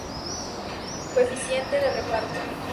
Coeficiente de reparto